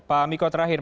pak amiko terakhir